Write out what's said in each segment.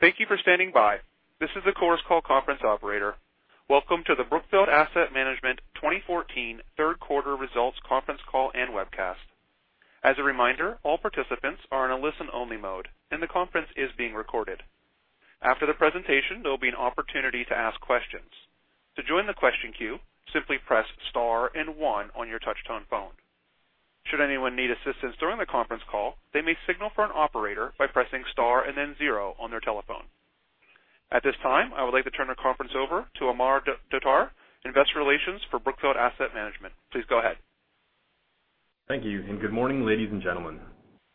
Thank you for standing by. This is the Chorus Call conference operator. Welcome to the Brookfield Asset Management 2014 third quarter results conference call and webcast. As a reminder, all participants are in a listen-only mode, and the conference is being recorded. After the presentation, there will be an opportunity to ask questions. To join the question queue, simply press star and one on your touch-tone phone. Should anyone need assistance during the conference call, they may signal for an operator by pressing star and then zero on their telephone. At this time, I would like to turn the conference over to Amar Dhotar, Investor Relations for Brookfield Asset Management. Please go ahead. Thank you. Good morning, ladies and gentlemen.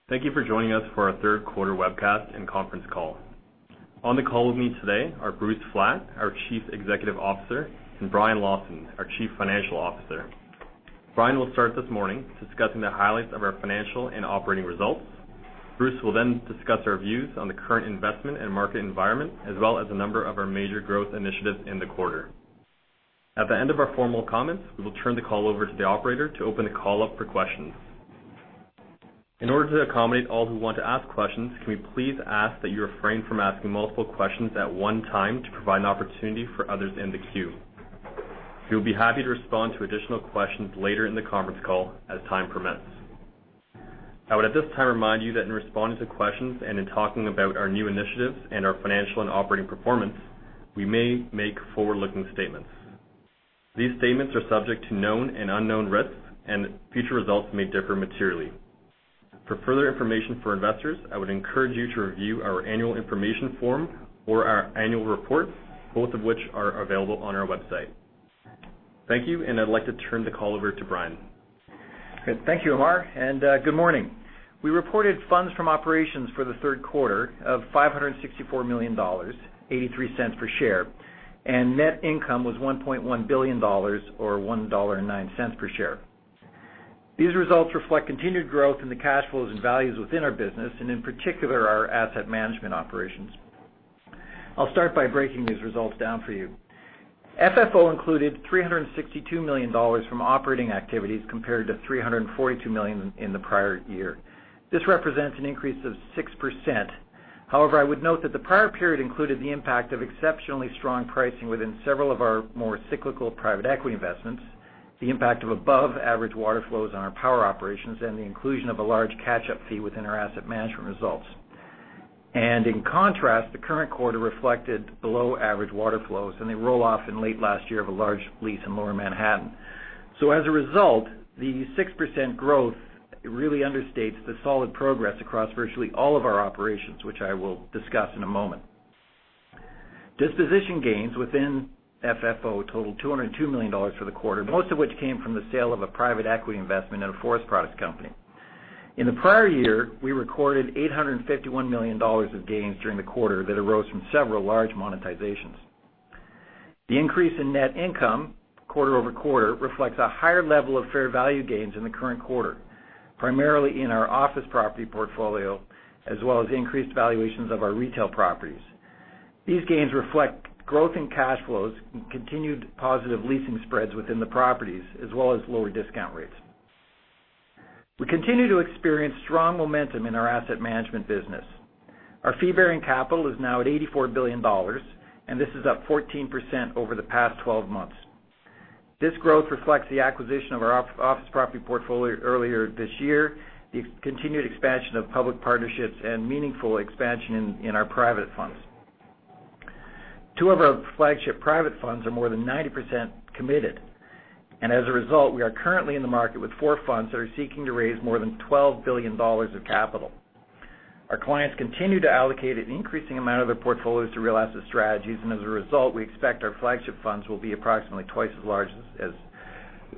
Thank you for joining us for our third quarter webcast and conference call. On the call with me today are Bruce Flatt, our Chief Executive Officer, and Brian Lawson, our Chief Financial Officer. Brian will start this morning discussing the highlights of our financial and operating results. Bruce will discuss our views on the current investment and market environment, as well as a number of our major growth initiatives in the quarter. At the end of our formal comments, we will turn the call over to the operator to open the call up for questions. In order to accommodate all who want to ask questions, can we please ask that you refrain from asking multiple questions at one time to provide an opportunity for others in the queue. We will be happy to respond to additional questions later in the conference call as time permits. I would at this time remind you that in responding to questions and in talking about our new initiatives and our financial and operating performance, we may make forward-looking statements. These statements are subject to known and unknown risks, and future results may differ materially. For further information for investors, I would encourage you to review our annual information form or our annual report, both of which are available on our website. Thank you. I'd like to turn the call over to Brian. Good. Thank you, Amar. Good morning. We reported funds from operations for the third quarter of $564 million, $0.83 per share, and net income was $1.1 billion, or $1.09 per share. These results reflect continued growth in the cash flows and values within our business, and in particular, our asset management operations. I will start by breaking these results down for you. FFO included $362 million from operating activities compared to $342 million in the prior year. This represents an increase of 6%. I would note that the prior period included the impact of exceptionally strong pricing within several of our more cyclical private equity investments, the impact of above-average water flows on our power operations, and the inclusion of a large catch-up fee within our asset management results. In contrast, the current quarter reflected below-average water flows. They roll off in late last year of a large lease in Lower Manhattan. As a result, the 6% growth really understates the solid progress across virtually all of our operations, which I will discuss in a moment. Disposition gains within FFO totaled $202 million for the quarter, most of which came from the sale of a private equity investment in a forest products company. In the prior year, we recorded $851 million of gains during the quarter that arose from several large monetizations. The increase in net income quarter-over-quarter reflects a higher level of fair value gains in the current quarter, primarily in our office property portfolio, as well as increased valuations of our retail properties. These gains reflect growth in cash flows and continued positive leasing spreads within the properties, as well as lower discount rates. We continue to experience strong momentum in our asset management business. Our fee-bearing capital is now at $84 billion. This is up 14% over the past 12 months. This growth reflects the acquisition of our office property portfolio earlier this year, the continued expansion of public partnerships, and meaningful expansion in our private funds. Two of our flagship private funds are more than 90% committed. As a result, we are currently in the market with four funds that are seeking to raise more than $12 billion of capital. Our clients continue to allocate an increasing amount of their portfolios to real asset strategies. As a result, we expect our flagship funds will be approximately twice as large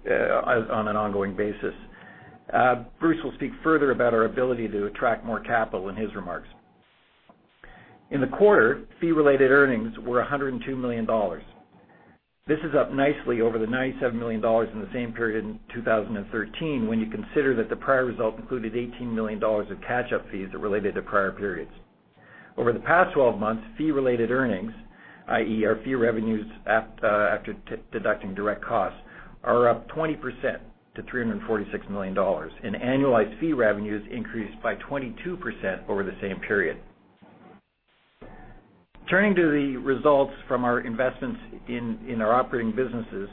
on an ongoing basis. Bruce will speak further about our ability to attract more capital in his remarks. In the quarter, fee-related earnings were $102 million. This is up nicely over the $97 million in the same period in 2013 when you consider that the prior result included $18 million of catch-up fees related to prior periods. Over the past 12 months, fee-related earnings, i.e., our fee revenues after deducting direct costs, are up 20% to $346 million. Annualized fee revenues increased by 22% over the same period. Turning to the results from our investments in our operating businesses,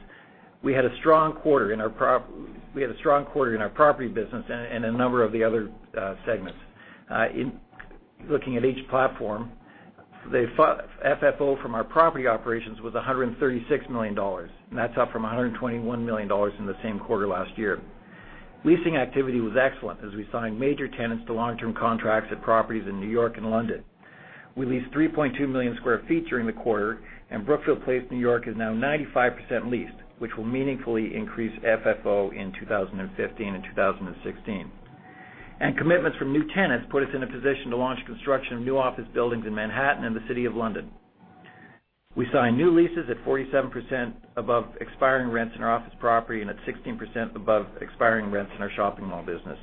we had a strong quarter in our property business and a number of the other segments. In looking at each platform, the FFO from our property operations was $136 million. That's up from $121 million in the same quarter last year. Leasing activity was excellent as we signed major tenants to long-term contracts at properties in New York and London. We leased 3.2 million square feet during the quarter. Brookfield Place New York is now 95% leased, which will meaningfully increase FFO in 2015 and 2016. Commitments from new tenants put us in a position to launch construction of new office buildings in Manhattan and the City of London. We signed new leases at 47% above expiring rents in our office property and at 16% above expiring rents in our shopping mall business.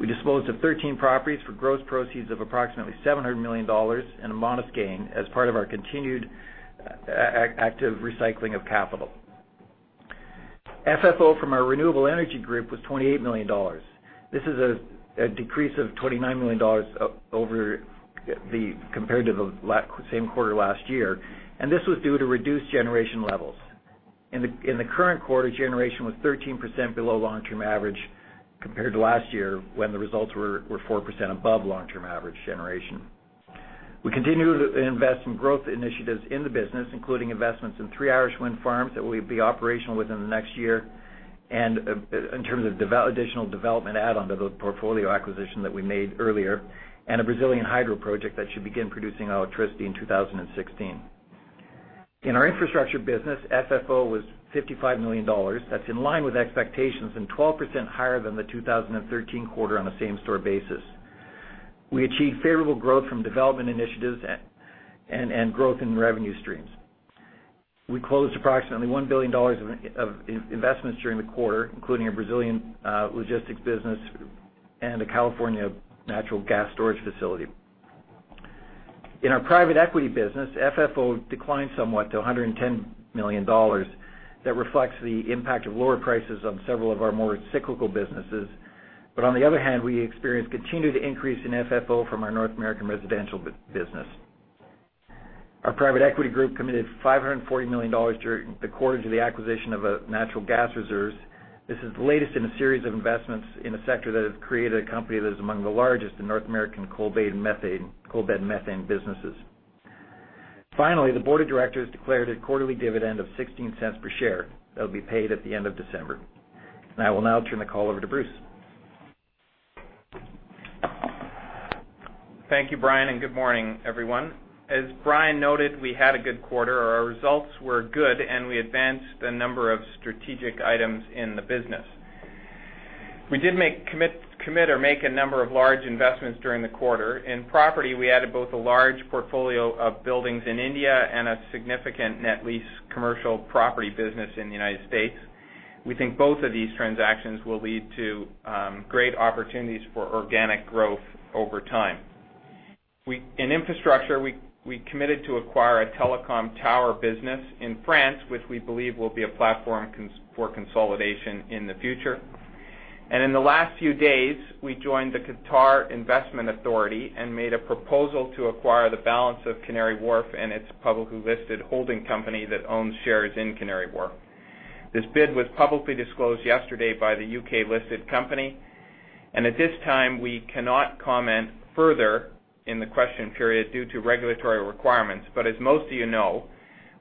We disposed of 13 properties for gross proceeds of approximately $700 million and a modest gain as part of our continued active recycling of capital. FFO from our renewable energy group was $28 million. This is a decrease of $29 million compared to the same quarter last year. This was due to reduced generation levels. In the current quarter, generation was 13% below long-term average compared to last year when the results were 4% above long-term average generation. We continue to invest in growth initiatives in the business, including investments in three Irish wind farms that will be operational within the next year, in terms of additional development add-on to the portfolio acquisition that we made earlier, and a Brazilian hydro project that should begin producing electricity in 2016. In our infrastructure business, FFO was $55 million. That's in line with expectations and 12% higher than the 2013 quarter on a same-store basis. We achieved favorable growth from development initiatives and growth in revenue streams. We closed approximately $1 billion of investments during the quarter, including a Brazilian logistics business and a California natural gas storage facility. In our private equity business, FFO declined somewhat to $110 million. On the other hand, we experienced continued increase in FFO from our North American residential business. Our private equity group committed $540 million during the quarter to the acquisition of natural gas reserves. This is the latest in a series of investments in a sector that has created a company that is among the largest in North American coal bed methane businesses. Finally, the board of directors declared a quarterly dividend of $0.16 per share that will be paid at the end of December. I will now turn the call over to Bruce. Thank you, Brian, and good morning, everyone. As Brian noted, we had a good quarter. Our results were good, and we advanced a number of strategic items in the business. We did commit or make a number of large investments during the quarter. In property, we added both a large portfolio of buildings in India and a significant net lease commercial property business in the United States. We think both of these transactions will lead to great opportunities for organic growth over time. In infrastructure, we committed to acquire a telecom tower business in France, which we believe will be a platform for consolidation in the future. In the last few days, we joined the Qatar Investment Authority and made a proposal to acquire the balance of Canary Wharf and its publicly listed holding company that owns shares in Canary Wharf. This bid was publicly disclosed yesterday by the U.K.-listed company. At this time, we cannot comment further in the question period due to regulatory requirements. As most of you know,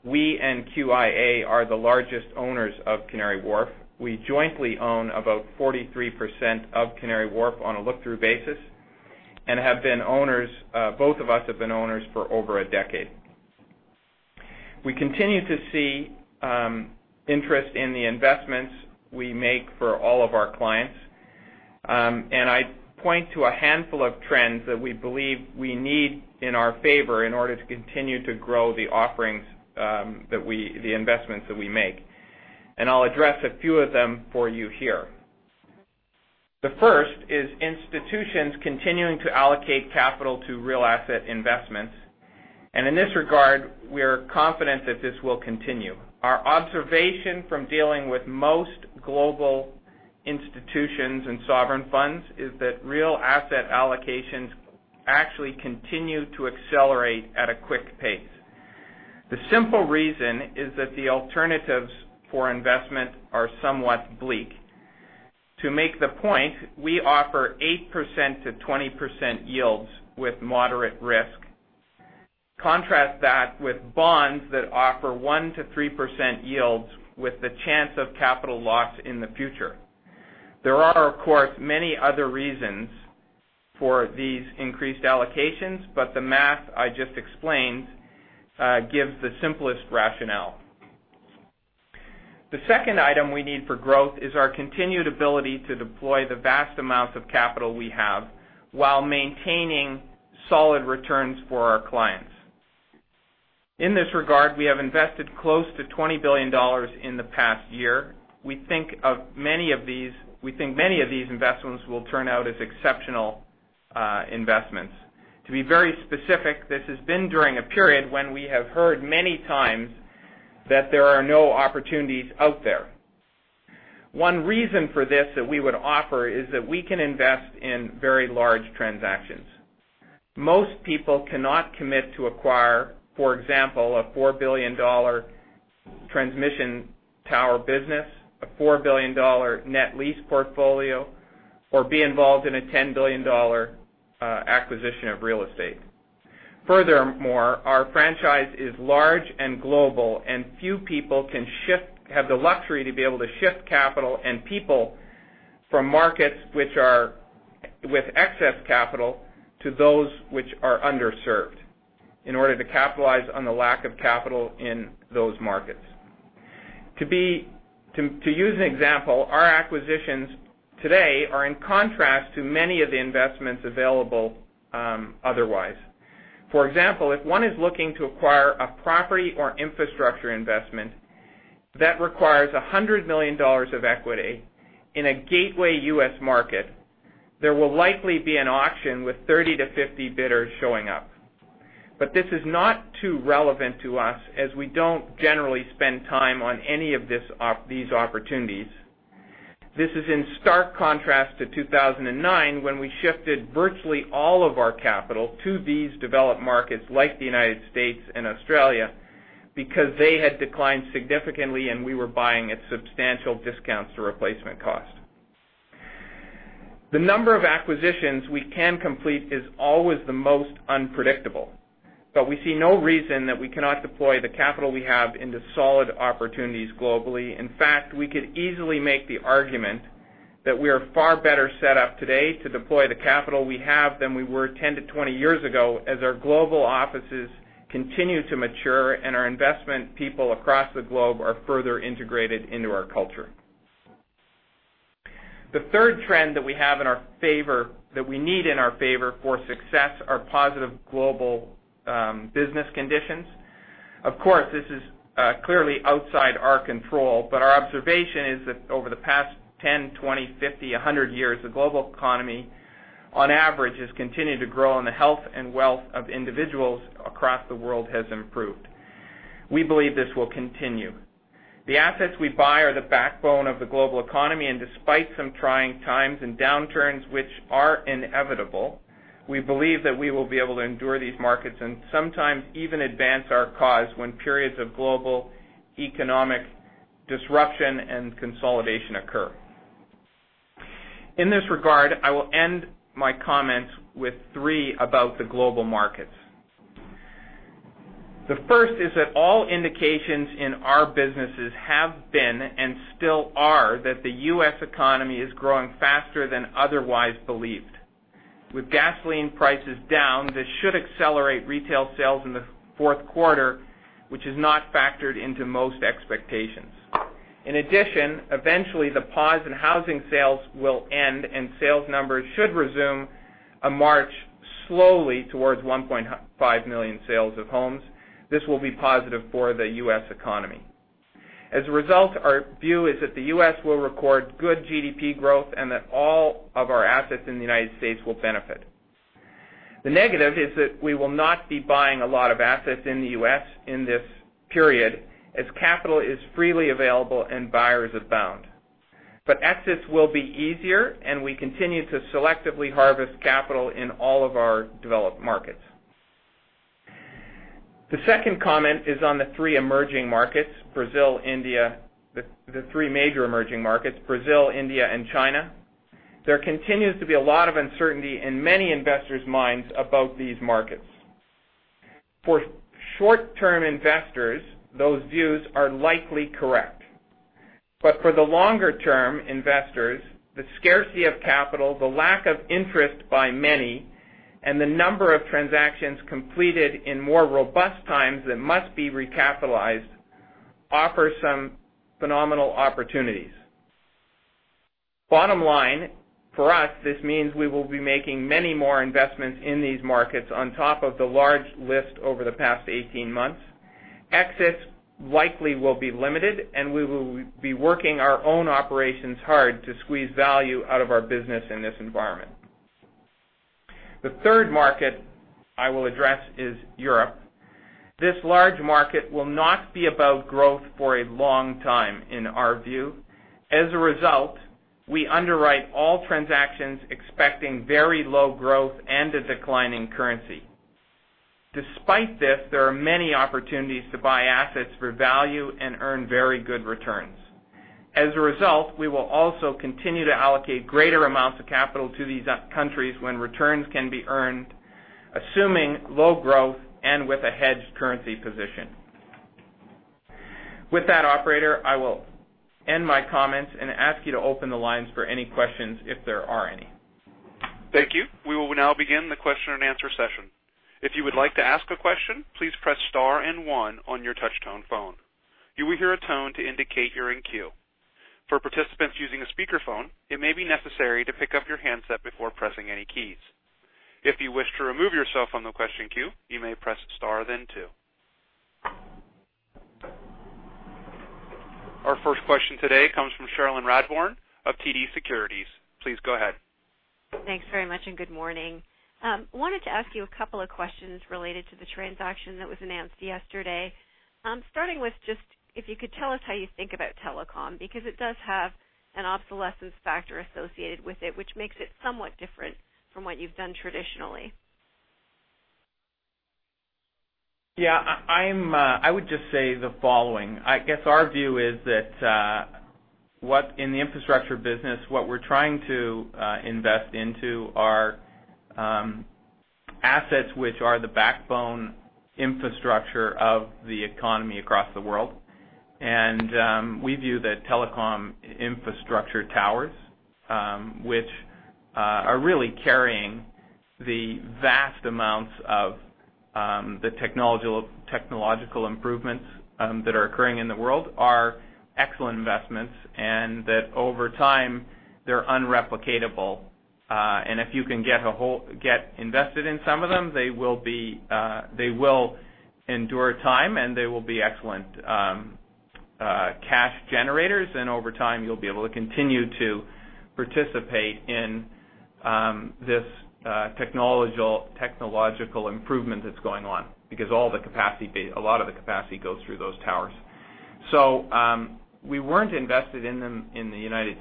we and QIA are the largest owners of Canary Wharf. We jointly own about 43% of Canary Wharf on a look-through basis, and both of us have been owners for over a decade. We continue to see interest in the investments we make for all of our clients. I point to a handful of trends that we believe we need in our favor in order to continue to grow the investments that we make. I'll address a few of them for you here. The first is institutions continuing to allocate capital to real asset investments. In this regard, we are confident that this will continue. Our observation from dealing with most global institutions and sovereign funds is that real asset allocations actually continue to accelerate at a quick pace. The simple reason is that the alternatives for investment are somewhat bleak. To make the point, we offer 8%-20% yields with moderate risk. Contrast that with bonds that offer 1%-3% yields with the chance of capital loss in the future. There are, of course, many other reasons for these increased allocations, but the math I just explained gives the simplest rationale. The second item we need for growth is our continued ability to deploy the vast amounts of capital we have while maintaining solid returns for our clients. In this regard, we have invested close to $20 billion in the past year. We think many of these investments will turn out as exceptional investments. To be very specific, this has been during a period when we have heard many times that there are no opportunities out there. One reason for this that we would offer is that we can invest in very large transactions. Most people cannot commit to acquire, for example, a $4 billion transmission tower business, a $4 billion net lease portfolio, or be involved in a $10 billion acquisition of real estate. Furthermore, our franchise is large and global, and few people have the luxury to be able to shift capital and people from markets with excess capital to those which are underserved in order to capitalize on the lack of capital in those markets. To use an example, our acquisitions today are in contrast to many of the investments available otherwise. For example, if one is looking to acquire a property or infrastructure investment that requires $100 million of equity in a gateway U.S. market, there will likely be an auction with 30-50 bidders showing up. This is not too relevant to us, as we don't generally spend time on any of these opportunities. This is in stark contrast to 2009, when we shifted virtually all of our capital to these developed markets like the United States and Australia because they had declined significantly, and we were buying at substantial discounts to replacement cost. The number of acquisitions we can complete is always the most unpredictable. We see no reason that we cannot deploy the capital we have into solid opportunities globally. In fact, we could easily make the argument that we are far better set up today to deploy the capital we have than we were 10-20 years ago, as our global offices continue to mature, and our investment people across the globe are further integrated into our culture. The third trend that we have in our favor, that we need in our favor for success, are positive global business conditions. Of course, this is clearly outside our control, but our observation is that over the past 10, 20, 50, 100 years, the global economy on average has continued to grow, and the health and wealth of individuals across the world has improved. We believe this will continue. The assets we buy are the backbone of the global economy, despite some trying times and downturns, which are inevitable, we believe that we will be able to endure these markets and sometimes even advance our cause when periods of global economic disruption and consolidation occur. In this regard, I will end my comments with three about the global markets. The first is that all indications in our businesses have been and still are that the U.S. economy is growing faster than otherwise believed. With gasoline prices down, this should accelerate retail sales in the fourth quarter, which is not factored into most expectations. In addition, eventually the pause in housing sales will end, and sales numbers should resume a march slowly towards 1.5 million sales of homes. This will be positive for the U.S. economy. As a result, our view is that the U.S. will record good GDP growth and that all of our assets in the United States will benefit. The negative is that we will not be buying a lot of assets in the U.S. in this period, as capital is freely available and buyers abound. Exits will be easier, and we continue to selectively harvest capital in all of our developed markets. The second comment is on the three major emerging markets, Brazil, India, and China. There continues to be a lot of uncertainty in many investors' minds about these markets. For short-term investors, those views are likely correct. For the longer-term investors, the scarcity of capital, the lack of interest by many, and the number of transactions completed in more robust times that must be recapitalized offer some phenomenal opportunities. Bottom line, for us, this means we will be making many more investments in these markets on top of the large list over the past 18 months. Exits likely will be limited, and we will be working our own operations hard to squeeze value out of our business in this environment. The third market I will address is Europe. This large market will not be about growth for a long time, in our view. As a result, we underwrite all transactions expecting very low growth and a decline in currency. Despite this, there are many opportunities to buy assets for value and earn very good returns. As a result, we will also continue to allocate greater amounts of capital to these countries when returns can be earned, assuming low growth and with a hedged currency position. With that, operator, I will end my comments and ask you to open the lines for any questions if there are any. Thank you. We will now begin the question and answer session. If you would like to ask a question, please press star and one on your touch-tone phone. You will hear a tone to indicate you're in queue. For participants using a speakerphone, it may be necessary to pick up your handset before pressing any keys. If you wish to remove yourself from the question queue, you may press star, then two. Our first question today comes from Cherilyn Radbourne of TD Securities. Please go ahead. Thanks very much, good morning. Wanted to ask you a couple of questions related to the transaction that was announced yesterday. Starting with just if you could tell us how you think about telecom, because it does have an obsolescence factor associated with it, which makes it somewhat different from what you've done traditionally. Yeah. I would just say the following. I guess our view is that in the infrastructure business, what we're trying to invest into are assets which are the backbone infrastructure of the economy across the world. We view that telecom infrastructure towers, which are really carrying the vast amounts of the technological improvements that are occurring in the world, are excellent investments, that over time, they're unreplicatable. If you can get invested in some of them, they will endure time, they will be excellent cash generators. Over time, you'll be able to continue to participate in this technological improvement that's going on because a lot of the capacity goes through those towers. We weren't invested in them in the U.S.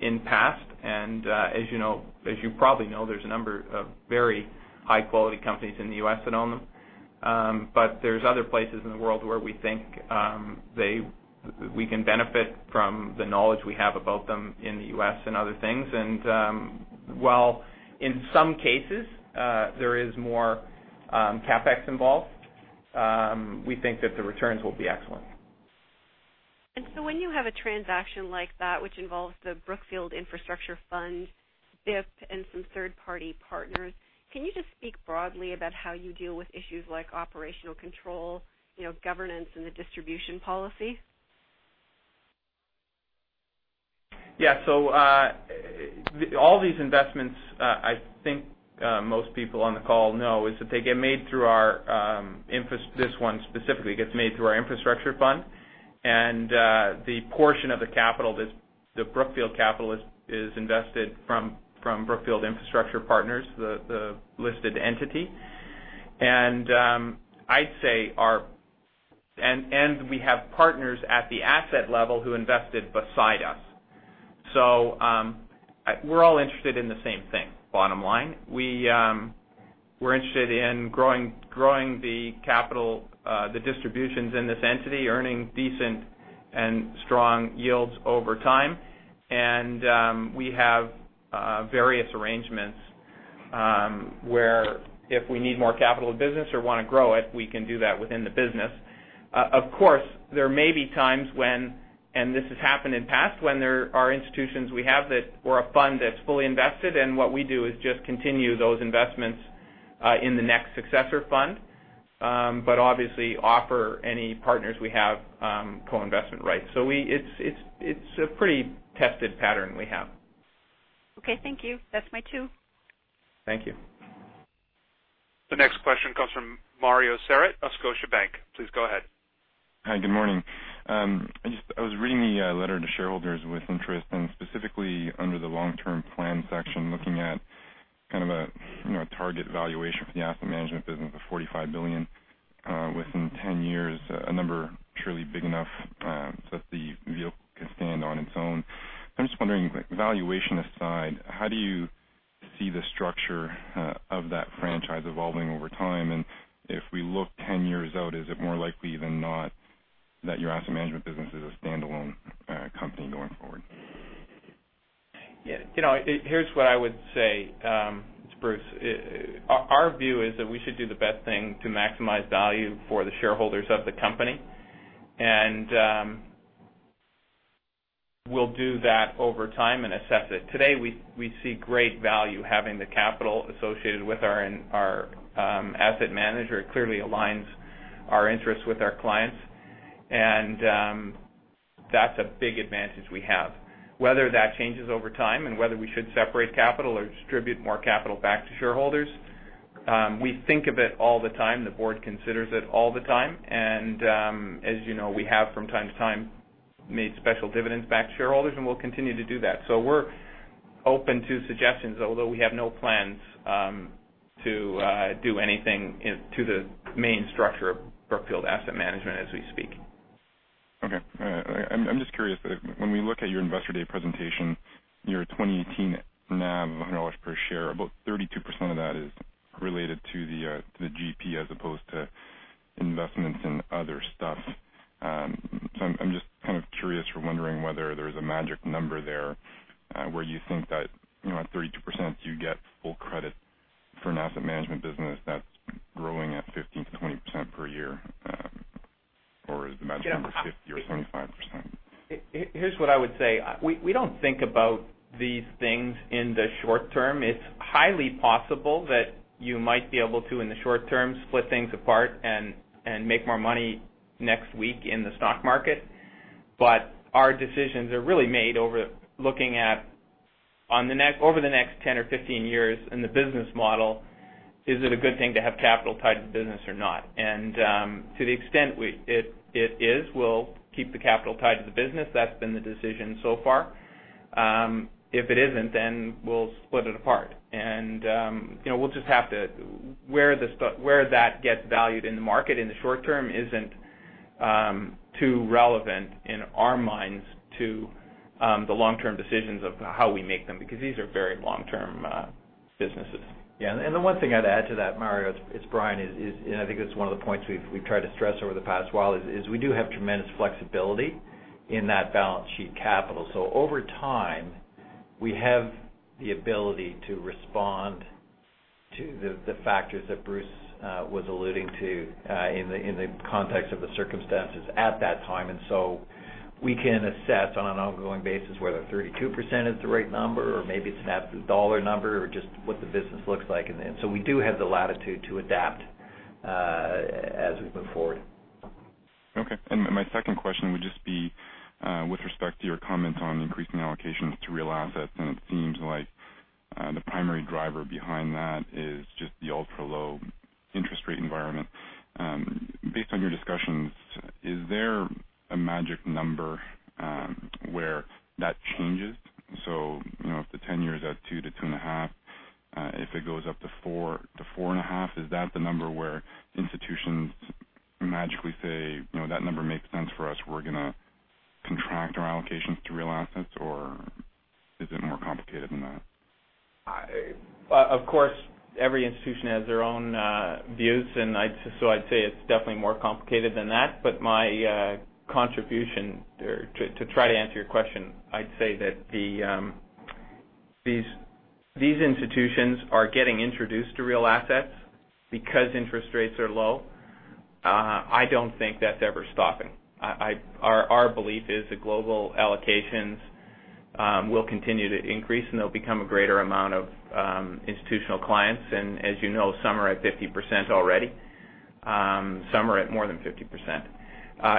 in the past. As you probably know, there's a number of very high-quality companies in the U.S. that own them. There's other places in the world where we think we can benefit from the knowledge we have about them in the U.S. and other things. While in some cases there is more CapEx involved, we think that the returns will be excellent. When you have a transaction like that, which involves the Brookfield Infrastructure Fund, BIP, and some third-party partners, can you just speak broadly about how you deal with issues like operational control, governance, and the distribution policy? Yeah. All these investments, I think most people on the call know, is that this one specifically gets made through our infrastructure fund. The portion of the capital, the Brookfield capital is invested from Brookfield Infrastructure Partners, the listed entity. We have partners at the asset level who invested beside us. We're all interested in the same thing, bottom line. We're interested in growing the capital, the distributions in this entity, earning decent and strong yields over time. We have various arrangements where if we need more capital in the business or want to grow it, we can do that within the business. Of course, there may be times when, and this has happened in the past, when there are institutions we have or a fund that's fully invested, what we do is just continue those investments in the next successor fund. Obviously offer any partners we have co-investment rights. It's a pretty tested pattern we have. Okay. Thank you. That's my two. Thank you. The next question comes from Mario Saric of Scotiabank. Please go ahead. Hi, good morning. I was reading the letter to shareholders with interest, and specifically under the long-term plan section, looking at kind of a target valuation for the asset management business of $45 billion within 10 years, a number surely big enough so that the vehicle can stand on its own. I'm just wondering, valuation aside, how do you see the structure of that franchise evolving over time? If we look 10 years out, is it more likely than not that your asset management business is a standalone company going forward? Yeah. Here's what I would say, Bruce. Our view is that we should do the best thing to maximize value for the shareholders of the company. We'll do that over time and assess it. Today, we see great value having the capital associated with our asset manager. It clearly aligns our interests with our clients. That's a big advantage we have. Whether that changes over time and whether we should separate capital or distribute more capital back to shareholders, we think of it all the time. The board considers it all the time. As you know, we have from time to time made special dividends back to shareholders, and we'll continue to do that. We're open to suggestions, although we have no plans to do anything to the main structure of Brookfield Asset Management as we speak. Okay. I'm just curious that when we look at your Investor Day presentation, your 2018 NAV of $100 per share, about 32% of that is related to the GP as opposed to investments in other stuff. I'm just kind of curious or wondering whether there's a magic number there where you think that at 32%, you get full credit for an asset management business that's growing at 15%-20% per year. Is the magic number 50% or 75%? Here's what I would say. We don't think about these things in the short term. It's highly possible that you might be able to, in the short term, split things apart and make more money next week in the stock market. Our decisions are really made over looking at over the next 10 or 15 years in the business model, is it a good thing to have capital tied to the business or not? To the extent it is, we'll keep the capital tied to the business. That's been the decision so far. If it isn't, then we'll split it apart. Where that gets valued in the market in the short term isn't too relevant in our minds to the long-term decisions of how we make them because these are very long-term businesses. Yeah. The one thing I'd add to that, Mario, it's Brian, and I think it's one of the points we've tried to stress over the past while, is we do have tremendous flexibility in that balance sheet capital. Over time, we have the ability to respond to the factors that Bruce was alluding to in the context of the circumstances at that time. We can assess on an ongoing basis whether 32% is the right number, or maybe it's an absolute dollar number or just what the business looks like. We do have the latitude to adapt as we move forward. Okay. My second question would just be with respect to your comments on increasing allocations to real assets, and it seems like the primary driver behind that is just the ultra-low interest rate environment. Based on your discussions, is there a magic number where that changes? If the 10-year is at 2-2.5, if it goes up to 4-4.5, is that the number where institutions magically say, "That number makes sense for us. We're going to contract our allocations to real assets," or is it more complicated than that? My contribution there, to try to answer your question, I'd say that these institutions are getting introduced to real assets because interest rates are low. I don't think that's ever stopping. Our belief is that global allocations will continue to increase, and they'll become a greater amount of institutional clients. As you know, some are at 50% already. Some are at more than 50%.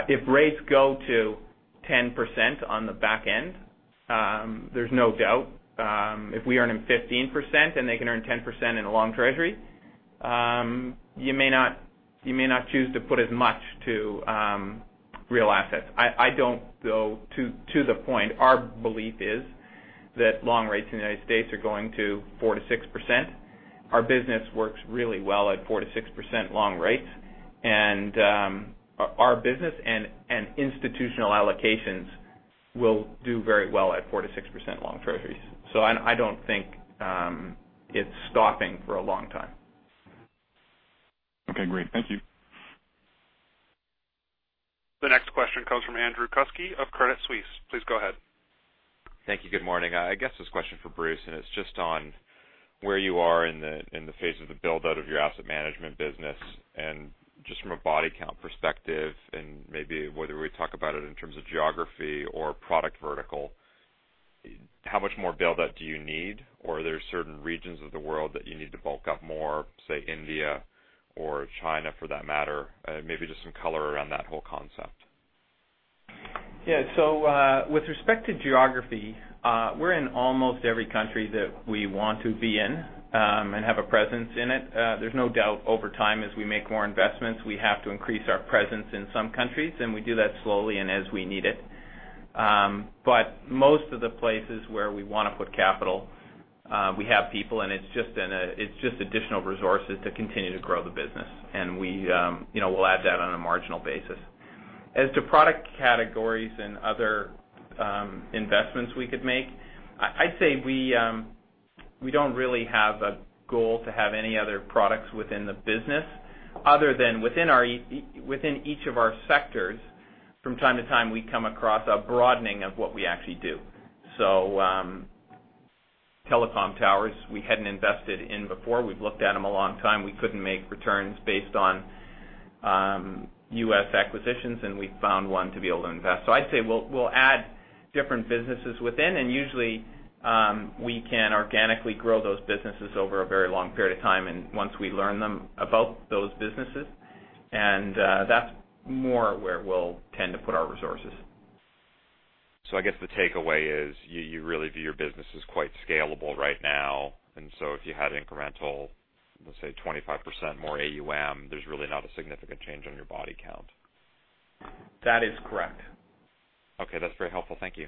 If rates go to 10% on the back end, there's no doubt if we earn them 15% and they can earn 10% in a long Treasury, you may not choose to put as much to real assets. I don't, though, to the point. Our belief is that long rates in the U.S. are going to 4% to 6%. Our business works really well at 4% to 6% long rates. Our business and institutional allocations will do very well at 4% to 6% long Treasuries. I don't think it's stopping for a long time. Okay, great. Thank you. The next question comes from Andrew Kuske of Credit Suisse. Please go ahead. Thank you. Good morning. I guess this question is for Bruce, it's just on where you are in the phase of the build-out of your asset management business, and just from a body count perspective and maybe whether we talk about it in terms of geography or product vertical. How much more build-out do you need? Are there certain regions of the world that you need to bulk up more, say, India or China for that matter? Maybe just some color around that whole concept. Yeah. With respect to geography, we're in almost every country that we want to be in and have a presence in it. There's no doubt over time, as we make more investments, we have to increase our presence in some countries, and we do that slowly and as we need it. Most of the places where we want to put capital, we have people, and it's just additional resources to continue to grow the business. We'll add that on a marginal basis. As to product categories and other investments we could make, I'd say we don't really have a goal to have any other products within the business other than within each of our sectors, from time to time, we come across a broadening of what we actually do. Telecom towers we hadn't invested in before. We've looked at them a long time. We couldn't make returns based on U.S. acquisitions, and we found one to be able to invest. I'd say we'll add different businesses within, and usually, we can organically grow those businesses over a very long period of time and once we learn about those businesses. That's more where we'll tend to put our resources. I guess the takeaway is you really view your business as quite scalable right now. If you had incremental, let's say, 25% more AUM, there's really not a significant change on your body count. That is correct. Okay. That's very helpful. Thank you.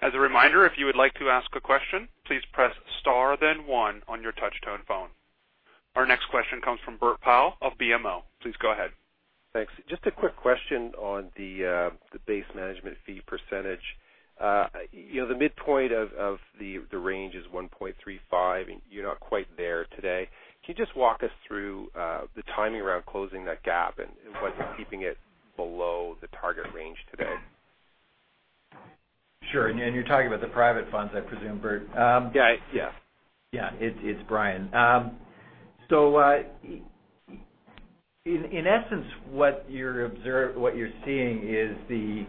As a reminder, if you would like to ask a question, please press star then one on your touch-tone phone. Our next question comes from Bert Powell of BMO. Please go ahead. Thanks. Just a quick question on the base management fee percentage. The midpoint of the range is 1.35, and you're not quite there today. Can you just walk us through the timing around closing that gap and what's keeping it below the target range today? Sure. You're talking about the private funds, I presume, Bert. Yeah. Yeah. It's Brian. In essence, what you're seeing is the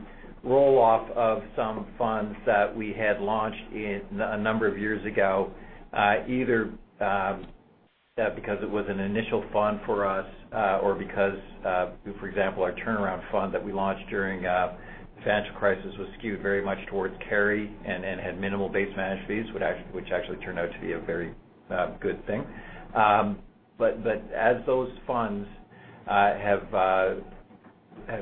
roll-off of some funds that we had launched a number of years ago, either because it was an initial fund for us or because, for example, our turnaround fund that we launched during the financial crisis was skewed very much towards carry and had minimal base management fees, which actually turned out to be a very good thing. As those funds have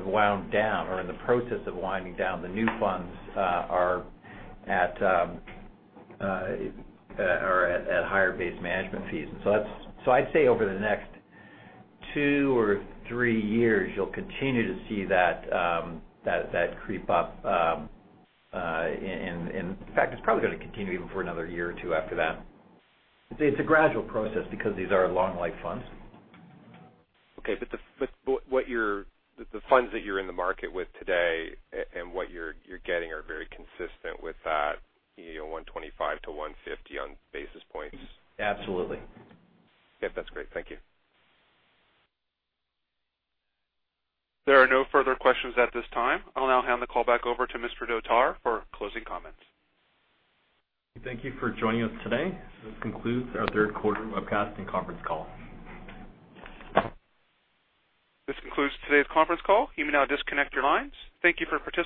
wound down or are in the process of winding down, the new funds are at higher base management fees. I'd say over the next two or three years, you'll continue to see that creep up. In fact, it's probably going to continue even for another year or two after that. It's a gradual process because these are long-life funds. Okay. The funds that you're in the market with today and what you're getting are very consistent with that 125-150 on basis points. Absolutely. Yep. That's great. Thank you. There are no further questions at this time. I'll now hand the call back over to Mr. Dhotar for closing comments. Thank you for joining us today. This concludes our third quarter webcast and conference call. This concludes today's conference call. You may now disconnect your lines. Thank you for participating.